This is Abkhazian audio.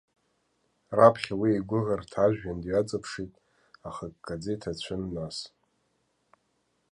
Раԥхьа уи игәыӷырҭа ажәҩан дҩаҵԥшит, аха иккаӡа иҭацәын, нас.